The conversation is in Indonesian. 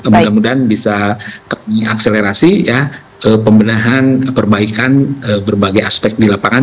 mudah mudahan bisa kami akselerasi ya pembenahan perbaikan berbagai aspek di lapangan